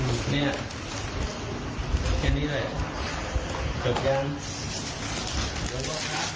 เนี่ยแค่นี้ได้จบยัง